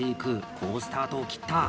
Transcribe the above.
好スタートを切った！